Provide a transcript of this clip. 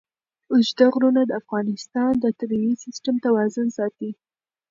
اوږده غرونه د افغانستان د طبعي سیسټم توازن ساتي.